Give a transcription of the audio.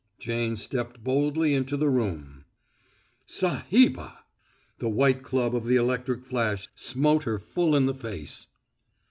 Jane stepped boldly into the room. "Sahibah!" The white club of the electric flash smote her full in the face.